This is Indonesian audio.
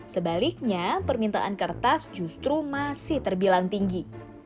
sebaliknya permintaan kertas justru masih terbilang tinggi